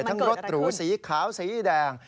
รถหรูสีขาวสีแดง